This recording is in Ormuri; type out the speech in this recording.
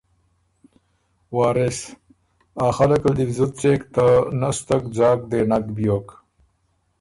وارث ـــ ا خلق ال دی بو زُت څېک، ته نستک ځاک دې نک بیوک۔